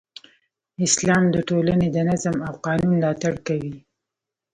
اسلام د ټولنې د نظم او قانون ملاتړ کوي.